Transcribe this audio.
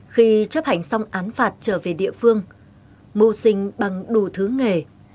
khi chấp hành xong án phạt trở về địa phương mô sinh bằng đủ thứ nghề